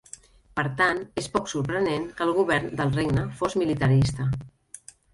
Per tant, és poc sorprenent que el govern del regne fos militarista.